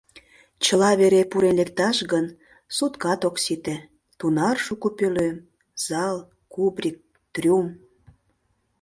Чыла вере пурен лекташ гын, суткат ок сите — тунар шуко пӧлем, зал, кубрик, трюм...